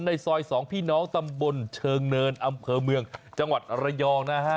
ในซอย๒พี่น้องตำบลเชิงเนินอำเภอเมืองจังหวัดระยองนะฮะ